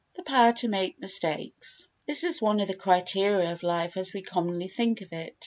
The Power to make Mistakes This is one of the criteria of life as we commonly think of it.